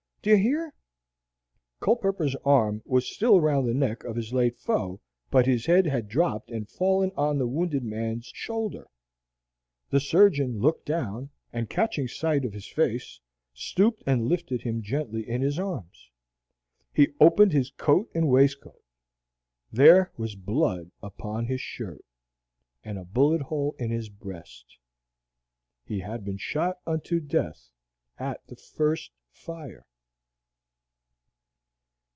Do you hear?" Culpepper's arm was still round the neck of his late foe, but his head had drooped and fallen on the wounded man's shoulder. The surgeon looked down, and, catching sight of his face, stooped and lifted him gently in his arms. He opened his coat and waistcoat. There was blood upon his shirt, and a bullet hole in his breast. He had been shot unto death at the first fire.